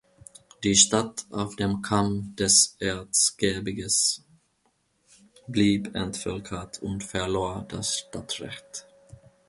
Die Stadt auf dem Kamm des Erzgebirges blieb entvölkert und verlor das Stadtrecht.